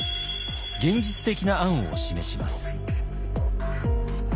現実的な案を示します。